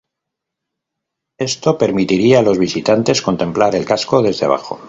Esto permitiría a los visitantes contemplar el casco desde abajo.